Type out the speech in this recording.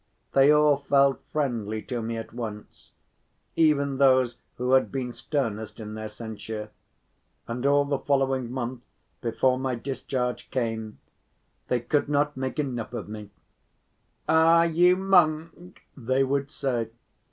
They all felt friendly to me at once, even those who had been sternest in their censure, and all the following month, before my discharge came, they could not make enough of me. "Ah, you monk," they would say.